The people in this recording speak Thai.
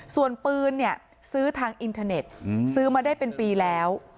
ส่วนปืนเนี่ยซื้อทางอินเทอร์เน็ตซื้อมาได้เป็นปีแล้ว